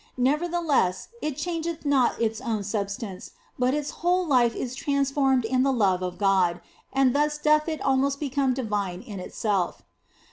Nevertheless, it changeth not its own substance, but its whole life is transformed in the love of God, and thus doth it almost become divine in itself.